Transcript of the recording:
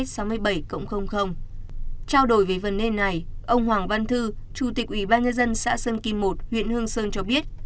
trao đổi về vấn đề này ông hoàng văn thư chủ tịch ủy ban nhân dân xã sơn kim một huyện hương sơn cho biết